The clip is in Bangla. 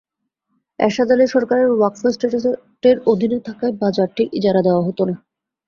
এরশাদ আলী সরকারের ওয়াকফ এস্টেটের অধীনে থাকায় বাজারটির ইজারা দেওয়া হতো না।